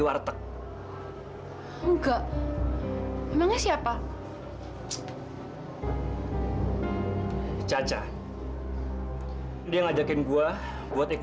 harus hadapi puis